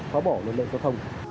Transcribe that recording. phá bỏ nền lệ giao thông